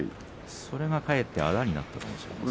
それがかえってあだになったかもしれません。